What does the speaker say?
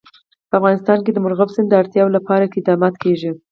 په افغانستان کې د مورغاب سیند د اړتیاوو لپاره اقدامات کېږي.